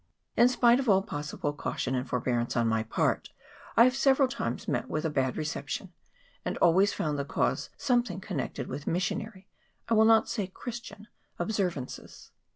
In spite of all possible caution and forbearance on my part, I have several times met with a bad reception, and always found the cause something connected with missionary, I will not say Christian, observances.